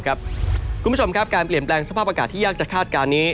การเปลี่ยนแปลงสภาพอากาศที่ยากจากคาดการณ์นี้